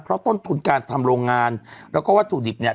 เพราะต้นทุนการทำโรงงานแล้วก็วัตถุดิบเนี่ย